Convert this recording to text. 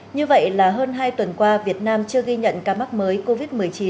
như vậy là hơn hai tuần qua việt nam chưa ghi nhận ca mắc mới covid một mươi chín